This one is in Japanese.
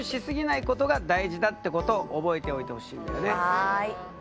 はい。